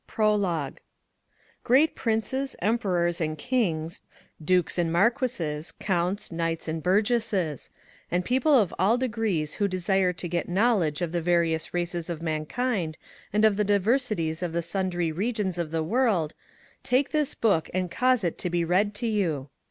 PROLOGUE. Great Princes, Emperors, and Kings, Dukes and Marquises, Counts, Knights, and Burgesses ! and People of all degrees who desire to get knowledge of the various races of mankind and of the diversities of the sundry regions of the World, take this Book and cause it to be read to you.